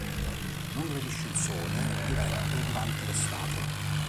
Non gradisce il sole diretto durante l'estate.